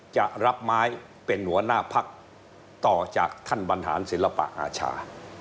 จะรับไม้เป็นหัวหน้าพักต่อจากท่านบรรหารศิลปะอาชา